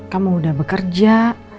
kamu udah bekerja